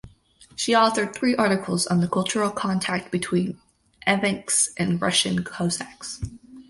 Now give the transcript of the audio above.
She authored three articles on the cultural contact between Evenks and Russian Cossacks.